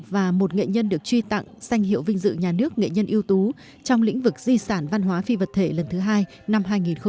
và một nghệ nhân được truy tặng danh hiệu vinh dự nhà nước nghệ nhân yếu tố trong lĩnh vực di sản văn hóa phi vật thể lần thứ hai năm hai nghìn một mươi chín